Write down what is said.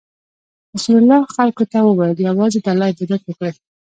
رسول الله خلکو ته وویل: یوازې د الله عبادت وکړئ.